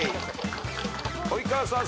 及川さん